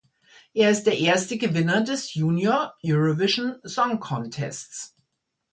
Er ist der erste Gewinner des Junior Eurovision Song Contests.